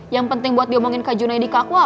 yang penting buat diomongin kak junaid ke aku apa